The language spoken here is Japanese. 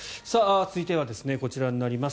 続いてはこちらになります。